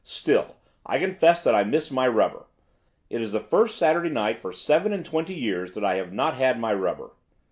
"Still, I confess that I miss my rubber. It is the first Saturday night for seven and twenty years that I have not had my rubber."